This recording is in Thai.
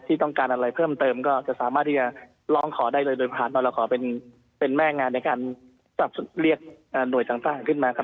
ที่ต้องการอะไรเพิ่มเติมก็จะสามารถที่จะร้องขอได้เลยโดยผ่านนรขอเป็นแม่งานในการเรียกหน่วยต่างขึ้นมาครับ